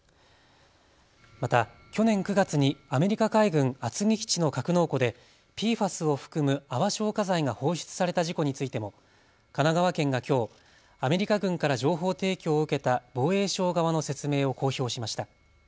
また去年９月にアメリカ海軍厚木基地の格納庫でＰＦＡＳを含む泡消火剤が放出された事故についても神奈川県がきょうアメリカ軍から情報提供を受けた防衛省側の説明を公表しました。